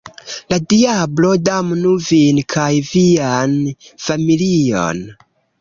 La diablo damnu vin kaj vian familion!